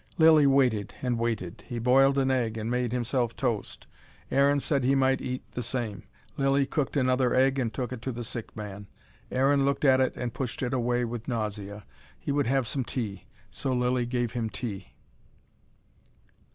Lilly waited and waited. He boiled an egg and made himself toast. Aaron said he might eat the same. Lilly cooked another egg and took it to the sick man. Aaron looked at it and pushed it away with nausea. He would have some tea. So Lilly gave him tea.